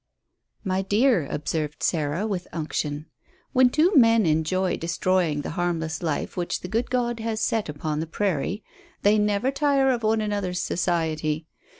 "My dear," observed Sarah, with unction, "when two men enjoy destroying the harmless life which the good God has set upon the prairie, they never tire of one another's society.